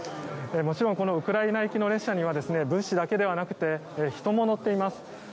もちろんこのウクライナ行きの列車には物資だけではなくて人も乗っています。